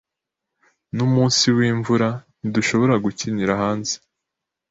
Numunsi wimvura, ntidushobora gukinira hanze.